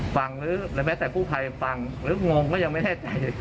หรือแม้แต่กู้ภัยฟังหรืองงก็ยังไม่แน่ใจ